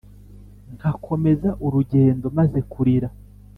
nkakomeza urugendo maze kurira,